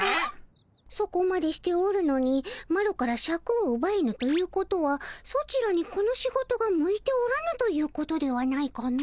そこまでしておるのにマロからシャクをうばえぬということはソチらにこの仕事が向いておらぬということではないかの？